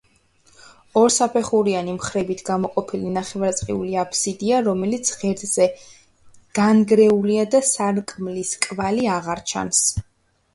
აღმოსავლეთით, ორსაფეხურიანი მხრებით გამოყოფილი ნახევარწრიული აფსიდია, რომელიც ღერძზე განგრეულია და სარკმლის კვალი აღარ ჩანს.